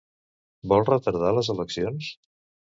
Vol retardar les eleccions?